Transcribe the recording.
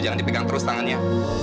jangan dipegang terus tangannya